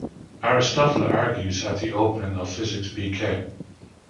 Aristotle argues at the opening of Physics bk.